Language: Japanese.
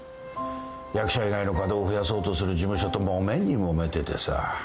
役者以外の稼働を増やそうとする事務所ともめにもめててさ。